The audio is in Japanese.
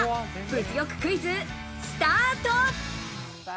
物欲クイズ、スタート！